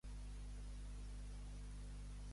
Sobretot en les obres femenines?